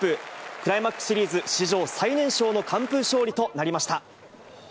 クライマックスシリーズ史上最年少の完封勝利となりました。